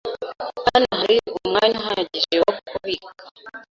Hano hari umwanya uhagije wo kubika.